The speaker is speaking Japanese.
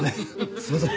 すいません。